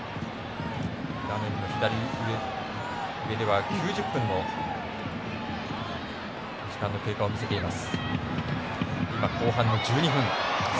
画面の左上では９０分の時間の経過を見せています。